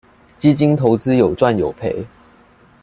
基金投資有賺有賠